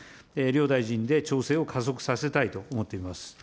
両大臣で調整を加速させたいと思っております。